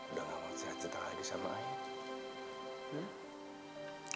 udah gak mau cerita lagi sama ayah